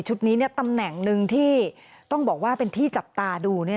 นี้ตำแหน่งหนึ่งที่ต้องบอกว่าเป็นที่จับตาดู